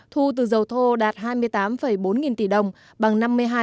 thu từ dầu thô đạt hai mươi tám bốn nghìn tỷ đồng bằng năm mươi hai